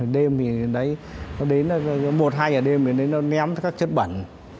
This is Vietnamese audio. đêm thì đấy nó đến là một hai giờ đêm thì nó ném các chất bẩn